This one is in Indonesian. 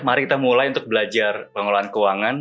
mari kita mulai untuk belajar pengelolaan keuangan